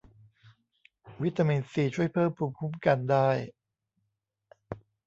วิตามินซีช่วยเพิ่มภูมิคุ้มกันได้